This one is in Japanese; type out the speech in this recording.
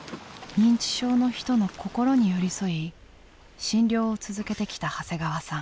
認知症の人の心に寄り添い診療を続けてきた長谷川さん。